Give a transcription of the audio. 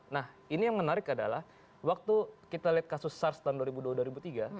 nah ini yang menarik adalah waktu kita lihat kasus sars tahun dua ribu tiga